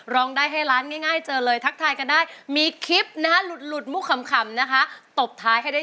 รองได้ให้ร้านง่ายเจอเลยทักทายกันได้